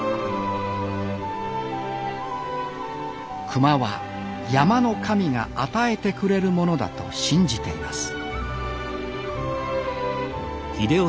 熊は山の神が与えてくれるものだと信じています